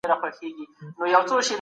زموږ ټولنه فکري ثبات ته اړتيا لري.